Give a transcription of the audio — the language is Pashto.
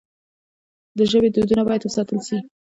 د ژبې دودونه باید وساتل سي.